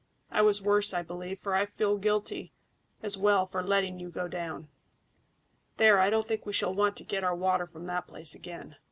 I was worse, I believe, for I felt guilty as well for letting you go down. There, I don't think we shall want to get our water from that place again."